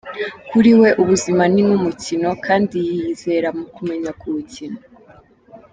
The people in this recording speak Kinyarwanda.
Kuri we ubuzima ni nk’umukino kandi yiyizera mu kumenya kuwukina.